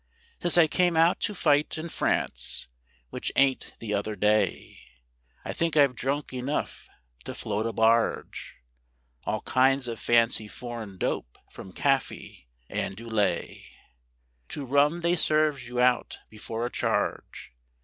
Since I came out to fight in France, which ain't the other day, I think I've drunk enough to float a barge; All kinds of fancy foreign dope, from caffy and doo lay, To rum they serves you out before a charge.